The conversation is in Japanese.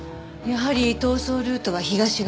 やはり逃走ルートは東側。